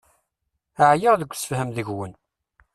Ɛyiɣ deg usefhem deg-wen.